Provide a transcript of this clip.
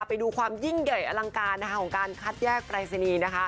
ไปดูความยิ่งใหญ่อลังการของการคัดแยกปรายศนีย์นะคะ